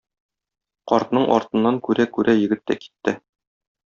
Картның артыннан күрә-күрә егет тә китте.